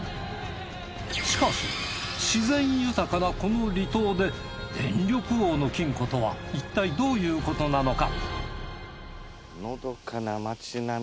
しかし自然豊かなこの離島で電力王の金庫とはいったいどういうことなのか？